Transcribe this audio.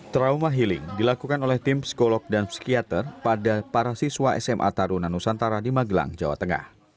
trauma healing dilakukan oleh tim psikolog dan psikiater pada para siswa sma taruna nusantara di magelang jawa tengah